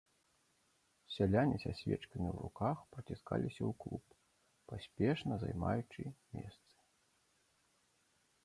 Сяляне са свечкамі ў руках праціскаліся ў клуб, паспешна займаючы месцы.